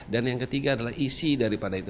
dan yang ketiga adalah isi dari publik